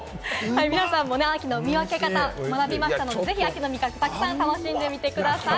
皆さんも秋の味覚の見分け方、学びましたので、ぜひたくさん楽しんでみてください。